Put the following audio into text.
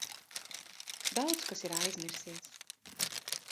Daudz kas ir aizmirsies.